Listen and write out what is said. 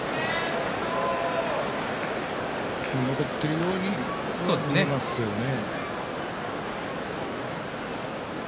残っているように見えますよね。